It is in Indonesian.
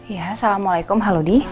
ya salam alaikum halo di